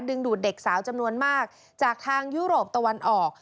ดูดเด็กสาวจำนวนมากจากทางยุโรปตะวันออก